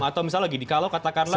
atau misalnya gini kalau kata karlam